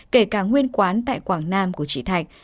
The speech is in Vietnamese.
kể cả nguyên quán tại quảng nam của chị thạch